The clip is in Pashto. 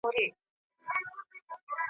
په لومړۍ ورځ چي په کار پسي روان سو .